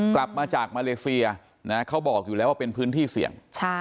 กลับมาจากมาเลเซียเขาบอกอยู่แล้วว่าเป็นพื้นที่เสี่ยง